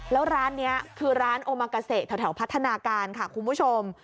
แล้วร้านนี้คือร้านโอมากาเซแถวพัฒนาการค่ะคุณผู้ชม